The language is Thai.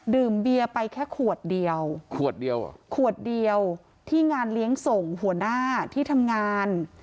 เบียร์ไปแค่ขวดเดียวขวดเดียวเหรอขวดเดียวที่งานเลี้ยงส่งหัวหน้าที่ทำงาน